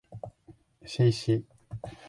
入場曲のイントロが長すぎて、歌い出す前にリングイン